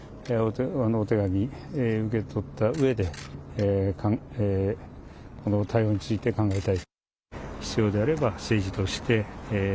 お手紙受け取ったうえで、この対応について考えたい。